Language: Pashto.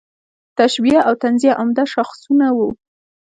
تشبیه او تنزیه عمده شاخصونه وو.